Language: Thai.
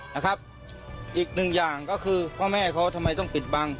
นะครับอีกหนึ่งอย่างก็คือพ่อแม่เขาทำไมต้องปิดบัง